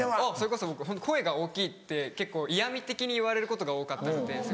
それこそ僕ホントに声が大きいって結構嫌み的に言われることが多かったので。